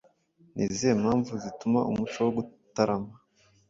Ni izihe mpamvu zituma umuco wo gutarama